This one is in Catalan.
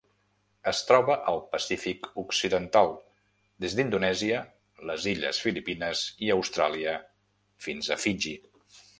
Es troba al Pacífic occidental: des d'Indonèsia, les illes Filipines i Austràlia fins a Fiji.